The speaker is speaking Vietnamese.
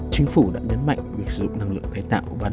chính phủ đã nhấn mạnh việc sử dụng năng lượng tái tạo